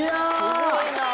すごいなあ。